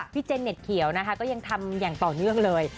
พี่เจนนิตเกี่ยวก็ทำอย่างต่อเนื่องเลย